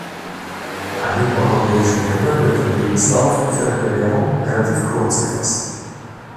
In einigen europäischen Ländern wird der Lebenslauf für eine Bewerbung relativ kurz gefasst.